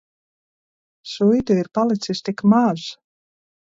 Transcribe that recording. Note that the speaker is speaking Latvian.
Suitu ir palicis tik maz.